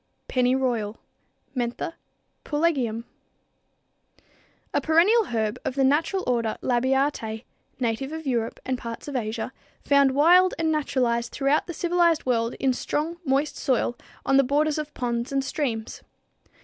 =Pennyroyal= (Mentha Pulegium, Linn.), a perennial herb of the natural order Labiatæ, native of Europe and parts of Asia, found wild and naturalized throughout the civilized world in strong, moist soil on the borders of ponds and streams.